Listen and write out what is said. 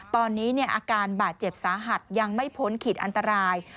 ตอนนี้อาการบาดเจ็บสาหัสยังไม่พ้นขีดอันตราย